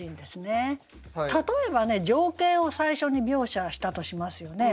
例えばね情景を最初に描写したとしますよね。